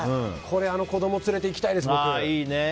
子供連れていきたいです、僕。